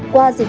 qua nhà trường